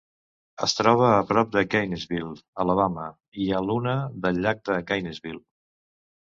Es troba a prop de Gainesville, Alabama, i a l'una del llac de Gainesville.